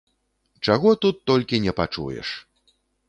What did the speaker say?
Чаго тут толькі не пачуеш!